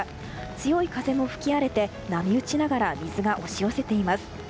強い風も吹き荒れて波打ちながら水が押し寄せています。